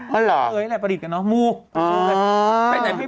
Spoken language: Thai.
ไปไหนไม่บ้างนะอ๋อมูไหนอะอะไรอย่างนี้